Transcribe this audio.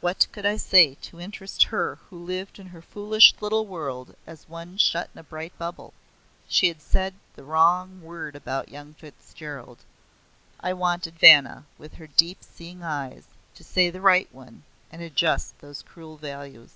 What could I say to interest her who lived in her foolish little world as one shut in a bright bubble? And she had said the wrong word about young Fitzgerald I wanted Vanna, with her deep seeing eyes, to say the right one and adjust those cruel values.